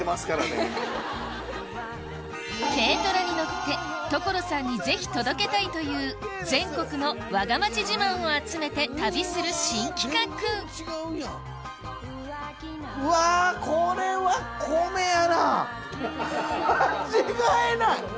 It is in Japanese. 軽トラに乗って所さんにぜひ届けたいという全国のわが町自慢を集めて旅する新企画間違いない！